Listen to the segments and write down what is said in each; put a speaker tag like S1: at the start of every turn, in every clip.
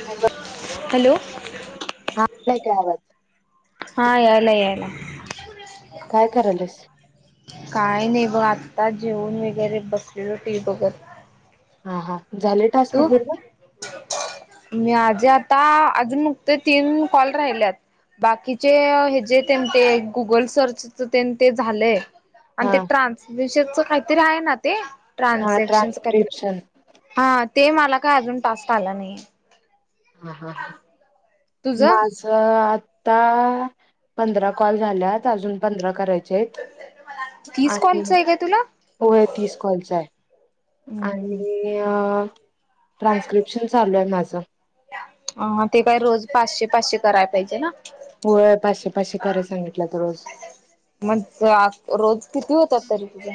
S1: Hello
S2: [inaudible]
S1: नाही काय आवाज
S2: हा यायला यायला
S1: काय करायलास
S2: काय नाही बघ आ आता जेवून वगैरे बसलेलो टी व्ही बघत
S1: हा हा झाले टास्क पूर्ण
S2: माझे आता अजून मगत तीन कॉल राहिल्यात बाकीचे हे जे त्यां ते गुगल सर्च च ते न झालंय
S1: हा
S2: आणि ते ट्रान्समिशनच काहीतरी आहे ना ते
S1: हा
S2: ट्रान्झॅक्शन च कायतर
S1: ट्रान्स्क्रिप्शन
S2: हा ते मला काय अजून टस्क आला नाही
S1: हा ह ह
S2: तुझं
S1: माझ आता पंधरा कॉल झाल्यात अजून पंधरा करायचे आहेत
S2: तीस
S1: आणि
S2: कॉलच आहे का तुला
S1: होय तीस कॉलच हाय आणि अ ट्रान्स्क्रिप्शन चालू आहे माझं
S2: ह ते काय रोज पाचशे पाचशे कराय पाहिजे ना
S1: हो पाशे पाशे कराय सांगितल्यात रोज
S2: मग रोज किती होतात तरी तुझं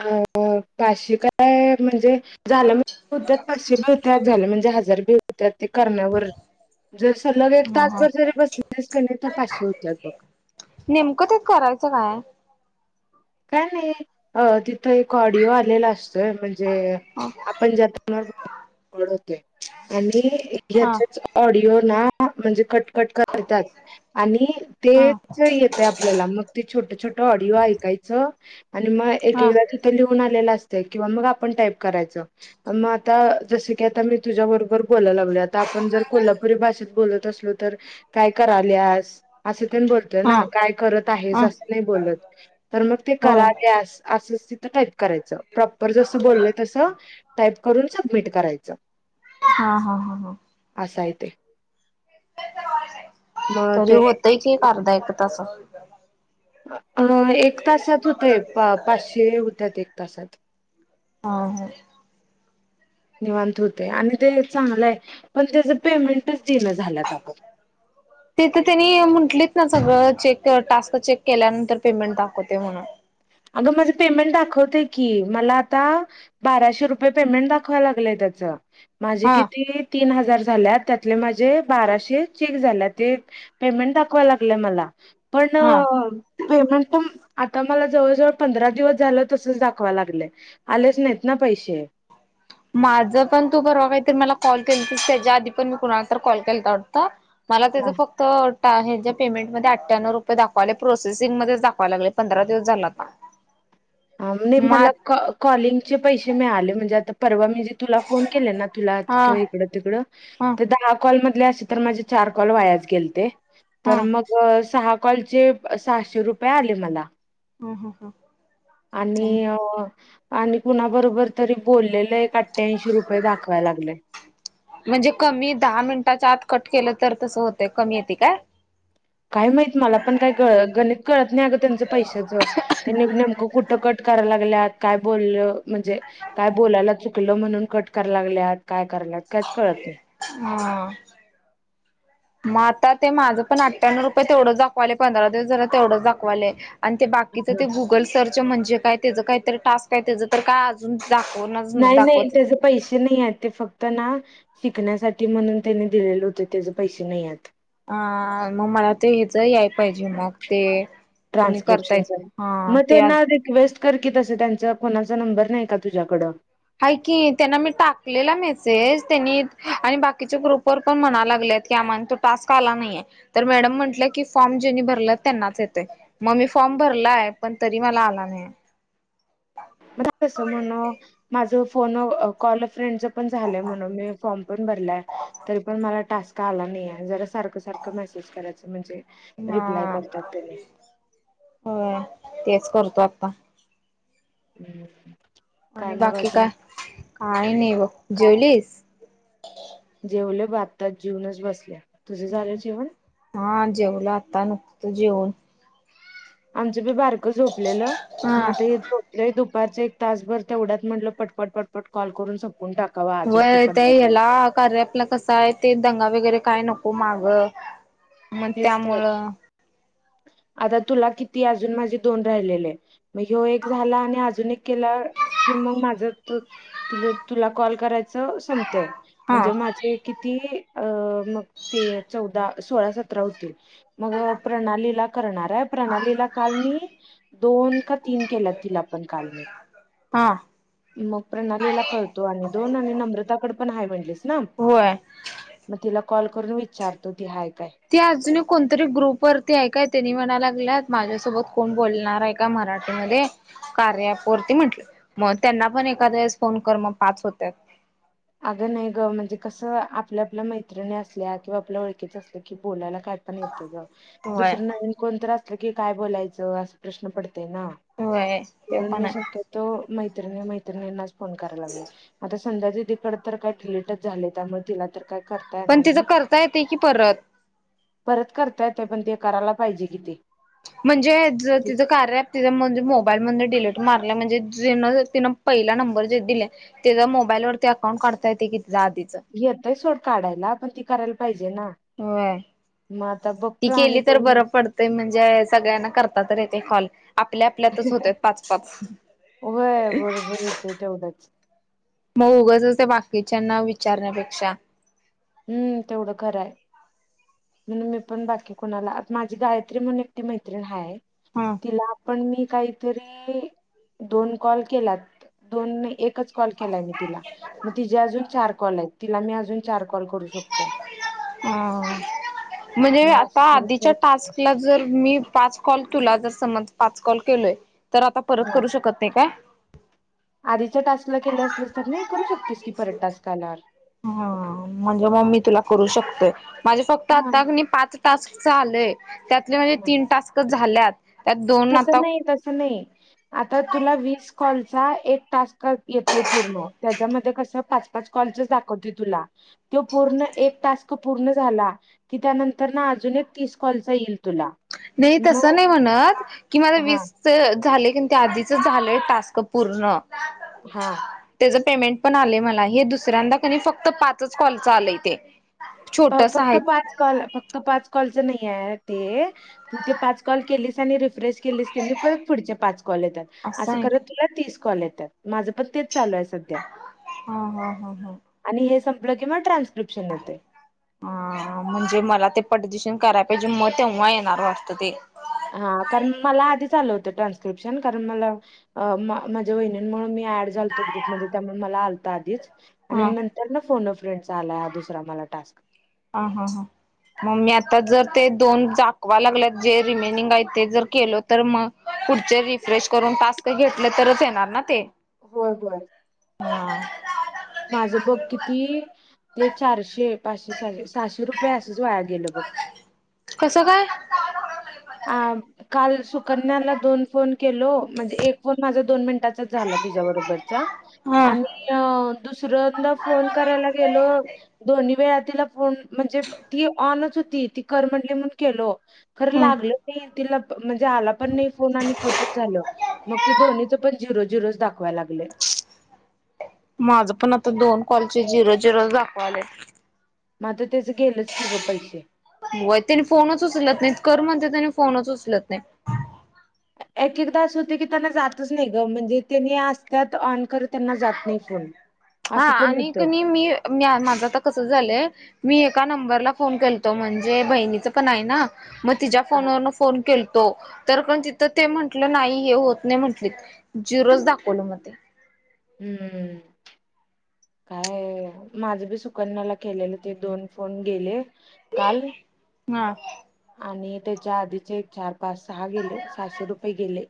S1: अ पाशी काय म्हणजे झालं होत्यात पाचशे बी वत्यात झालं म्हणजे हजार बि होत्यात ते करण्यावर जर सलग एक
S2: ह हा
S1: तासभर जरी बसलेस क नाही तर पाचशे होत्यात बघ
S2: का ते करायचं नाय
S1: काय नाही अ तिथं एक ऑडिओ आलेला असतोय म्हणजे
S2: हा
S1: जे आपण [unintelligible] आणि याच्याच ऑडिओ ना म्हणजे कट कट करतात आणि
S2: हा हा
S1: तेच येते आपल्याला मग ते छोट छोट ऑडिओ ऐकाय आणि मग एक
S2: हा
S1: एकदा तिथं लिहून आलेला अस तय किंवा मग आपन टाईप करायच. मग आता जस की आता मी तुझ्याबरोबर बोला लाग लागलोय आता आपण जर कोल्हापुरी भाषेत बोलत असलो तर काय कराल्यास? असं तेण बोलत ना काय करत आहेस
S2: हा
S1: असं नाही बोलत. तर मग ते
S2: होय
S1: कराल्यास असंच तिथं टाईप करायचं. प्रॉपर जसं बोललय तसं टाईप करून सबमिट करायचं.
S2: हा हा हा हा.
S1: असं आहे ते. मग
S2: तरी
S1: ते
S2: होतय की अर्धा एक तासात.
S1: अ एक तासात होतय पाचशे होत्याात एक तासात.
S2: हा ह.
S1: निवांत हुतंय आणि ते चांगलंय. पण त्याच पेमेंटच देईना झाल्यात अगं.
S2: तीथ त्यांनी म्हटलीत. ना सगळं चेक टास्क चेक केल्यानंतर पेमेंट दाखवते म्हणून.
S1: अगं माझं पेमेंट दाखवते की. मला आता बाराशे रुपये पेमेंट दाखवाय लागलंय त्याच. माझे
S2: हा
S1: किती तीन हजार झाल्यात त्यात तलं माझे बाराशे चेक झाल्यात, ते पेमेंट दाखवालागलय मला. पण
S2: हा
S1: पेमेंट पण आता मला जवळजवळ पंधरा दिवस झालं तसच दाखवा लागलं, आलेच नाहीत ना पैसे
S2: माझ पण तू परवा काहीतरी मला कॉल केल की स त्याच्या आधी पण मी कुणाला तर कॉल केला वाटत मला त्याच फक्त पेमेंट मध्ये अठ्ठ्याण्णव रुपये दाखवावले प्रोसेसिंग मध्येच दाखवायला लागले पंधरा दिवस झाला आता म
S1: मला कॉ कॉलिंगचे पैसे मिळाले म्हणजे आता परवा त्यांनी तुला फोन केलं ना तुला
S2: हा
S1: किंवा हिकडं तिकड,
S2: हा
S1: ते दहा कॉल तशे तर माझे चार कॉल वयाचा गेलते.
S2: हा
S1: तर मग अ सहा कॉलचे सहाशे रुपये आले मला.
S2: [unintelligible] [inaudible]
S1: आणि आणि कुणाबरोबर तरी बोललेलं अठ्ठ्याऐंशी रुपये दाखवाय लागले
S2: म्हणजे कमी दहा मिनटाच्या आत कट केलं तर तसं होतं कमी येतय काय?
S1: काय माहित मला पण काय ग गणित कळत नाही अगं त्यांचं पैशाचं त्यांनी नेमकं कुठं कट करायला लागल्यात काय बोलल म्हणजे काय बोलायला चुकलं म्हणून कट करा लागल्यात काय? करायला काहीच कळत नाही.
S2: हा.
S1: [inaudible]
S2: मग आता ते माझं पण अठ्ठ्याण्ण रुपये तेवढं दाखवावले पंधरा दिवस झाला तेवढंच दाखवाले आणि ते बाकीचं ते
S1: हा
S2: गुगल सर्च म्हणजे काय त्याचं काही तर टास्क आहे त्याचं तर काय अजून दाखवणाच
S1: नाही नाही
S2: दाखवत
S1: त्याचे पैसे नाही आहेत ते फक्त ना शिकण्यासाठी म्हणून त्यांनी दिलेले होते त्याचे पैसे नाइयेत आहेत.
S2: अ मग [unintelligible] याय पाहिजे मग ते तुम्ही करतायत
S1: ट्रानस्क्रिप्शन
S2: हा
S1: मग
S2: ते
S1: त्यांना
S2: आज
S1: रिक्वेस्ट कर की तसं त्यांचा कोणाचा नंबर नाही का तुझ्याकडं?
S2: हाय की, त्यांना मी टाकलेला मेसेज त्यांनी आणि बाकीच्या ग्रुपवर पण म्हणा लागलेय आम्हाला तो टास्क आला नाही, तर त्या मॅडम म्हणल्या की फ्रॉम ज्यांनी भरला त्यांनाच येतोय. फॉर्म भरलाय पण तरी मला आला नाही.
S1: [unintelligible] तस म्हण, माझ फोन कॉल फ्रेंड पण झालं म्हण मी फॉर्म पण भरलाय तरी, पण मला टास्क आला नाही हाय सारखं सारखं मेसेज करायच म्हणजे रिप्लाय
S2: हा
S1: करतात त्यांनी
S2: होय तेच करतो आता.
S1: [unintelligible] [inaudible]
S2: आणि
S1: मग
S2: बाकी काय?
S1: अजून
S2: काही नाही बघ
S1: काय
S2: जेवलीस?
S1: जेवले बघ आता जेवूनच बसल्या तुझ झाले जेवण?
S2: जेवलं आता नुकतं जेवण.
S1: आमचं बी बारक झोपलेलं, मग
S2: हा
S1: आता हे झोपलं दुप एक तासभर त्या तेवढ्यात म्हटलं पटपट पटपट कॉल करून टाकावा आजच
S2: व्हय ते
S1: पंधरा कॉल
S2: याला कार्य आपला कसं आहे ते दंगा वगैरे काय नको माग, मग
S1: तेच तर
S2: त्यामुळं
S1: आता तुला किती अजून माझे दोन राहिलेले मग ह्यो एक झाला आणि अजून एक केला की मग माझं तोच तु तुला कॉल करायचं संपतय
S2: हा
S1: म्हणजे माझे किती अ मग ते चौदा सोळा सतरा होतील. मग प्रणालीला करणार आहे प्रणालीला काल मी दोन तीन केल्यातील आपण काल मी.
S2: हा
S1: मग प्रणालीला करतो आणि दोन आणि नम्रताकड पण आहे म्हणलीस ना?
S2: होय.
S1: मग तिला कॉल करून विचारतो ती हाय? काय
S2: त्या आजुन कोणतरी ग्रुप वरती आहे काय, तेनी म्हणा लागल्यात माझ्यासोबत कोण बोलणार आहे का मराठीमध्ये कार्या अँप वरती म्हंटलं, मग त्यांना पण एखाद्या वेळेस फोन कर मग पाच होत्यात
S1: अगं नाही ग म्हणजे कसं आपल्या आपल्या मैत्रिणी असल्या किंवा आपल्या ओळखीच्या असल्या कि बोलायला काय पण येतय ग.
S2: होय.
S1: दुसर नवीन कोणतरी असलं की काय बोलायचं अस प्रश्न पड तय ना.
S2: होय ते
S1: म्हणून
S2: पण
S1: मी
S2: आहे
S1: शक्यतो मैत्रिणी मैत्रिणींनाच फोन करायला लागलोय. आता संध्या दीदी कड काय डीलीटच झाले. त्यामुळे तिला तर काय करता
S2: पण
S1: येणार
S2: तिचं
S1: नाही
S2: करता येतंय की परत.
S1: परत करता येतोय पण ते करायला पाहिजे कि ती.
S2: म्हणजे ज तिथं कार्या ॲप तिच्या म्हणजे मोबाईल मधन डिलीट मारलंय म्हणजे जिन तिनं पहिला नंबर जे दिले, तेज मोबाईलवर ते अकाउंट काढता येतंय की
S1: येतय सोड काढायला पण ती करायला पाहिजे. ना
S2: होय.
S1: मग आता
S2: ती
S1: बघतो आणि
S2: केली तर
S1: कोण
S2: बरं पडतंय सगळ्यांना करता तर येतय कॉल. आपल्या आपल्यातच होतोय पाच पाच.
S1: होय बरोबर होतय तेवढंच
S2: मग उगचच त्या बाकीच्याना विचारण्यापेक्षा
S1: हम्म तेवढं खरं आहे. म्हणून मी पण बाकी कुणाला आता माझी गायत्री म्हणून एकटी मैत्रीण हाय.
S2: हा
S1: तिला आपण मी काहीतरी दोन कॉल केलात, दोन नाही एक एकच कॉल केलाय मी तिला, मग तिजे अजून चार कॉल आहेत तिला मी अजून चार कॉल करू शकतोय.
S2: हम्म. म्हणजे
S1: मग
S2: आता
S1: असं करत
S2: आधीच्या
S1: करत
S2: टास्कला जर, मी पाच कॉल तुला जस समज पाच कॉल केलोय, तर आता परत
S1: हा
S2: करू शकत नाही काय?
S1: आधीच्या टास्कला केले असलेस तर नाही करू शकतेस की परत टास्क आल्यावर
S2: ह म्हणजे बाळ मी तुला करू शकतोय. माझे फक्त
S1: हा
S2: आता कनई पाच टास्क आलय. त्यातले माझे तीन टास्क झाल्यात. त्यात दोन
S1: तस
S2: आता
S1: नाही, तस नाही आता तुला वीस कॉलचा एक टास्क येतोय पूर्ण त्याच्यामध्ये कसं पाच पाच कॉलचेच दाखवतोय तुला. त्यो पूर्ण एक टास्क पूर्ण झाला, की त्यानंतरं अजून एक तीस कॉलचा येईल तुला.
S2: नाही तसं
S1: मग
S2: नाही म्हणत, की माझं
S1: हां,
S2: वीसच झालंय की त्या आधीच झालंय टास्क पूर्ण.
S1: हा.
S2: त्याच पेमेंट पण आलय मला. हे दुसऱ्यांदा का नई फक्त पाच कॉल आलय ते. छोटस
S1: फक्त
S2: आहे
S1: पाच कॉल फक्त पाच कॉल [unintelligible] तू ते पाच कॉल केलेस आणि रिफ्रेश केलीसकनी परत पुढचे पाच कॉल येतात असं
S2: आहे
S1: करत
S2: का
S1: तुला तीस कॉल येतात माझं पण तेच चालू आहे सध्या
S2: हा हा हा हा
S1: आणि हे स [unintelligible] की मग ट्रान्स्क्रिप्शन येते
S2: ह म्हणजे मला ते पटदिशन करायला पाहिजे मग तेव्हा येणार वाटतं ते
S1: हा कारण मला आधीच आलं होतं ट्रान्स्क्रिप्शन कारण मला माझ्या वहिनींमुळे मी ॲड झालतो ग्रुप मध्ये त्यामुळे मला आलंत आधीच आणि
S2: हा हा
S1: नंतर ना फोनफ्रेंड आलाय हा दुसरा मला टास्क
S2: ह हा हा मग मी आता जर ते दोन [unintelligible] लागल्यात जे रिमेनिंग आहे ते जर केलो तर मग पुढचे रिफ्रेश करून टास्क घेतले तरच येणार ना ते
S1: होय होय
S2: हम्
S1: माझं बघ किती ते चारशे पाचशे सहाशे सहाशे रुपये असेच वाया गेले बघ
S2: कसं काय?
S1: काल सुकन्याला दोन फोन केलो म्हणजे एक फोन माझ दोन मिन त्याच्यात झाला तिच्याबरोबरचा
S2: हा
S1: आणि सऱ्यांदा फोन करायला गेलो दोन्ही वेळा तिला फोन म्हणजे ती ऑनच होती. ती कर म्हटली म्हणून केलो खर
S2: हम्म.
S1: लागलंच नाइ तिला प. म्हणजे आला पण नाही फोन आणि कटच झाल मग ते दोन्हीच पण झिरो झिरोच दाखव.
S2: माझ पण आता दोन कॉलचे जिरो जिरोच दाखवायलय.
S1: म [inaudible]
S2: वै तेनी फोनच उचलत नाइत. कर म्हणते त्यानी फोनच उचलत नाहीत.
S1: एक एकदा असं होते की त्यांना जातच नाही ग म्हणजे त्यांनी असत्यात ऑन खर त्यांना जात नाही फोन.
S2: हा
S1: असं पण
S2: आणि
S1: होतंय
S2: कनाय मी माझं आता कस झालंय? मी एका नंबरला फोन केलतो म्हणजे बहिणीच पण आहे ना मग तिच्या्
S1: हा.
S2: फोनवरून फोन केलतो. तो तर पण तिथं ते म्हंटलं नाही हे होत नाही म्हंटलीत जिरोज दाखवलं मग ते.
S1: हम्म काय? माझं बी सुकन्याला केलेलं ते दोन फोन गेले. काल
S2: हा
S1: आणि एक. त्याच्या आधीचे एक चार पास सहा गेले सहाशे रुपये गेले.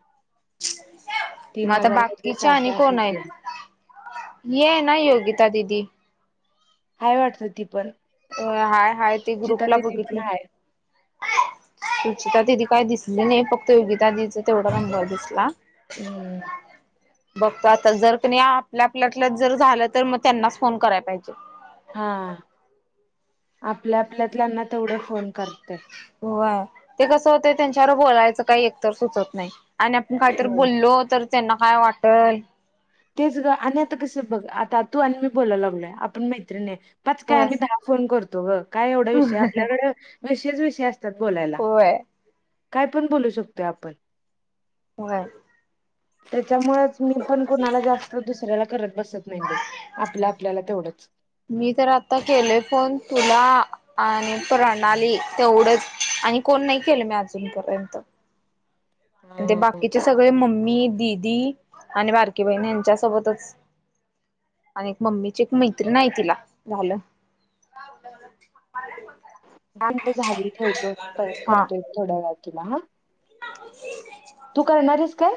S2: मग
S1: तीन
S2: आता
S1: हजार मधले
S2: बाकीच्या
S1: सहाशे
S2: आणि कोण
S1: असेच
S2: हायत?
S1: गेले
S2: ही आय ना योगी. त्या दिदी.
S1: हाय वाटतं ती पण.
S2: वय हाय हाय ते
S1: सुचिता
S2: ग्रुपला
S1: दिदी
S2: बघितल
S1: पण आहे
S2: रुचिता दिदी. काय दिसल नाही फक्त योगीता दिदी च तेवढ रंगवाय दिसला.
S1: हम्म
S2: बघतो आता जर कनाय आपल्या आपल्यात जर झालं तर मग त्यांनाच फोन कराय पाहिजे.
S1: हा आपल्या आपल्यात ल्याना तेवढं फोन करतय.
S2: होय ते कसं होतय त्यांच्यावर बोलायचं काय एकतर सुचत नाही आणि आपण कायतर
S1: होय
S2: बोल्लो तर. त्यांना काय वाटल?
S1: तेच ग आणि आता कस बघ आता तू आणि मी बोलाय लागलोय आपण मैत्रिणीआय. पाच काय
S2: होय.
S1: आम्ही दहा फोन करतो ग काय एवढा विषय आपल्याकड तसेच विषय असता. असतात बोलायला
S2: होय.
S1: काय पण बोलू शकतोय आपण.
S2: होय.
S1: त्यामुळच मी पण कुणाला जास्त दुसऱ्याला करत बसत नाइ बाई आपल आपल्याला तेवढंच.
S2: आत्ता केलोय फोन. तुला आणि प्रणाली तेवढंच आणि कोण नाही केलं मी अजून पर्यंत.
S1: दहा
S2: ते बाकीचे सगळे मम्मी. दीदी आणि बारकी बहिण यांच्या सोबतच. आणि एक मम्मीची एक मैत्रीण हाय तिला झालं. [inaudible]
S1: काम तर झाली ठेवतो परत करतोय थोड्या वेळात तुला हा.
S2: ह
S1: तू करणार एस काय?